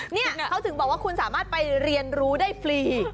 นี่เขาถึงบอกว่าคุณสามารถไปเรียนรู้ได้ฟรี